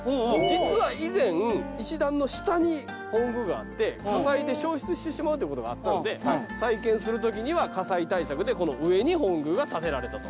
実は以前石段の下に本宮があって火災で焼失してしまうということがあったんで再建するときには火災対策でこの上に本宮が建てられたと。